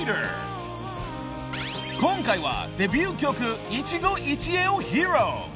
［今回はデビュー曲『一期一会』を披露］